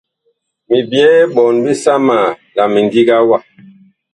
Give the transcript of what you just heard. Mi byɛɛ ɓɔɔn bisama la mindiga wa.